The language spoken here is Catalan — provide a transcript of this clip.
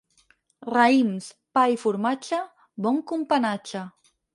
Raïms, pa i formatge, bon companatge.